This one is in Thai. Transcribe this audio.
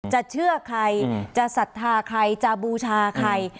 เชื่อใครจะศรัทธาใครจะบูชาใคร